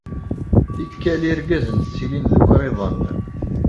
Tikkal, irgazen ttilin d ukriḍen.